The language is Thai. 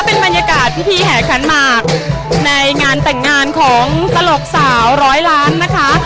เป็นบรรยากาศพิธีแห่ขันหมากในงานแต่งงานของตลกสาวร้อยล้านนะคะ